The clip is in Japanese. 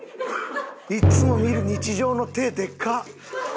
いつも見る日常の手でかっ！